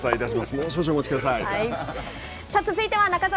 もう少々お待ちください。